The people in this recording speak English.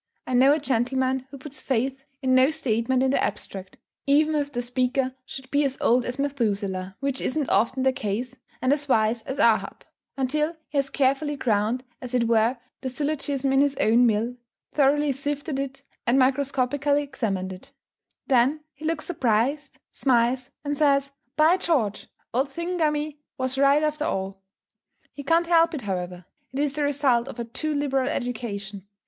I know a gentleman who puts faith in no statement in the abstract, even if the speaker should be as old as Methuselah which isn't often the case and as wise as Ahab, until he has carefully ground, as it were, the syllogism in his own mill, thoroughly sifted it, and microscopically examined it; then he looks surprised, smiles, and says, "By George, old Thingummy was right after all." He can't help it however; it is the result of a too liberal education.